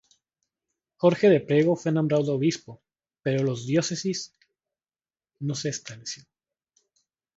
Jorge de Priego fue nombrado obispo, pero la diócesis no se estableció.